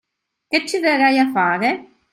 Che ci verrei a fare?